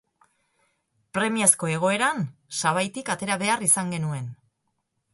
Premiazko egoeran, sabaitik atera behar izan genuen.